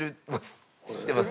知ってます。